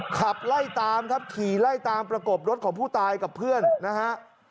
ขับไล่ตามครับขี่ไล่ตามประกบรถของผู้ตายกับเพื่อนนะฮะ